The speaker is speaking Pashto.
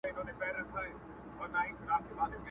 خدای درکړي دي غښتلي وزرونه،